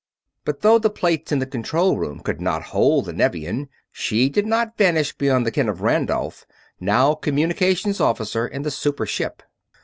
But though the plates in the control room could not hold the Nevian, she did not vanish beyond the ken of Randolph, now Communications Officer in the super ship.